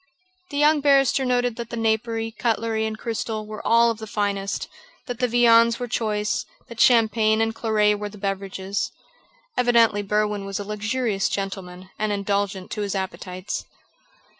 The young barrister noted that the napery, cutlery, and crystal were all of the finest; that the viands were choice; that champagne and claret were the beverages. Evidently Berwin was a luxurious gentleman and indulgent to his appetites.